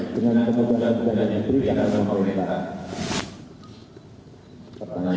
bukan hanya pp